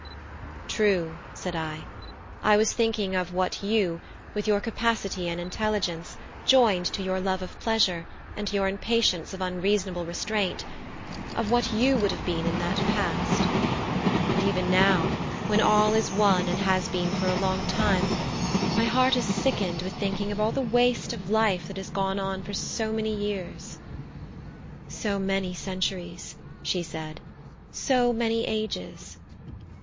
"True," said I. "I was thinking of what you, with your capacity and intelligence, joined to your love of pleasure, and your impatience of unreasonable restraint of what you would have been in that past. And even now, when all is won and has been for a long time, my heart is sickened with thinking of all the waste of life that has gone on for so many years." "So many centuries," she said, "so many ages!"